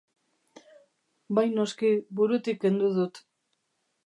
Bai noski, burutik kendu dut.